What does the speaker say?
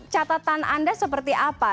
catatan anda seperti apa